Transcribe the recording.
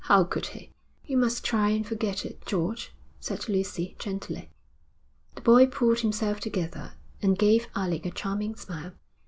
How could he?' 'You must try and forget it, George,' said Lucy, gently. The boy pulled himself together and gave Alec a charming smile.